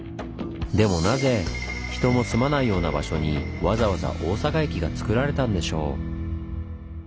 でもなぜ人も住まないような場所にわざわざ大阪駅がつくられたんでしょう？